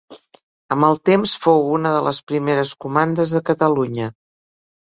Amb el temps fou una de les primeres comandes de Catalunya.